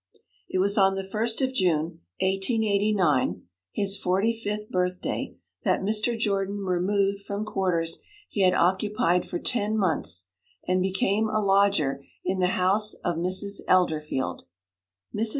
It was on the 1st of June, 1889, his forty fifth birthday, that Mr. Jordan removed from quarters he had occupied for ten months, and became a lodger in the house of Mrs. Elderfield. Mrs.